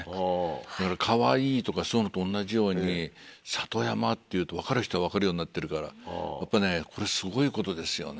だから「かわいい」とかそういうのと同じように「里山」って言うと分かる人は分かるようになってるからやっぱねこれすごいことですよね。